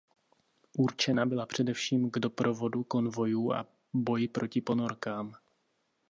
Určena byla především k doprovodu konvojů a boji proti ponorkám.